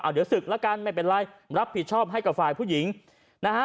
เดี๋ยวศึกแล้วกันไม่เป็นไรรับผิดชอบให้กับฝ่ายผู้หญิงนะฮะ